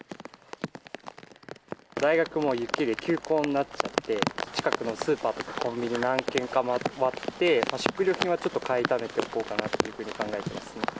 大学も雪で休校になっちゃって、近くのスーパーとかコンビニ何軒か回って、食料品はちょっと買いためておこうかと考えていますね。